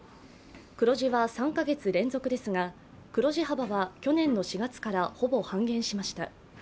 黒字は３カ月連続ですが黒字幅は去年の４月からほぼ半減しました。